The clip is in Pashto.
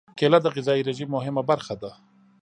کېله د غذايي رژیم مهمه برخه ده.